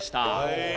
へえ。